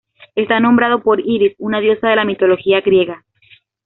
Está nombrado por Iris, una diosa de la mitología griega.